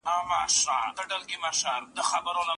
دا د مالي مدیریت یو درس دی.